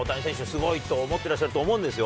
すごいと思ってらっしゃると思うんですよ。